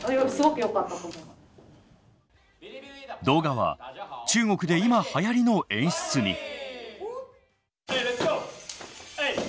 動画は中国で今はやりの演出に。